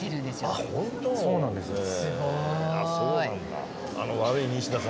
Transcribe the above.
ああそうなんだ。